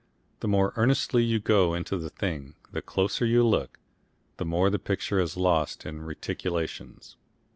The more earnestly you go into the thing, the closer you look, the more the picture is lost in reticulations.